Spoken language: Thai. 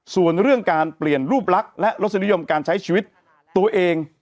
ส่วนเรื่องการเปลี่ยนรูปลักษณ์และรสนิยมการใช้ชีวิตตัวเอง